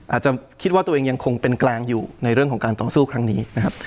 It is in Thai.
อาจจะคิดว่าตัวเองยังคงเป็นกลางอยู่ในเรื่องของการต่อสู้ครั้งนี้นะครับ